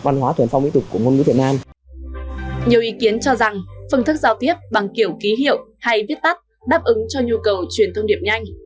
nhiều ý kiến cho rằng phương thức giao tiếp bằng kiểu ký hiệu hay viết tắt đáp ứng cho nhu cầu truyền thông điệp nhanh